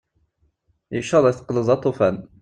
Icaṭ ay teqqleḍ d aṭufan!